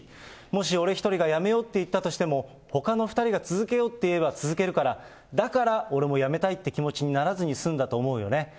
もし俺一人がやめようって言ったとしても、ほかの２人が続けようって言えば、続けるから、だから俺もやめたいって気持ちにならずに済んだと思うよね。